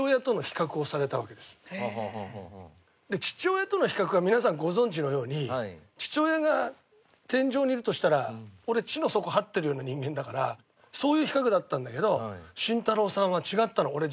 父親との比較は皆さんご存じのように父親が天上にいるとしたら俺地の底這ってるような人間だからそういう比較だったんだけど慎太郎さんは違ったの。